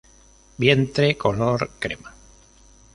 Vientre color crema.